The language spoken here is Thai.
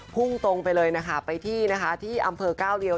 พุ่งตรงไปเลยนะคะไปที่นะคะที่อำเภอก้าวเรียว